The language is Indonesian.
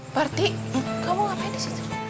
parti kamu ngapain disitu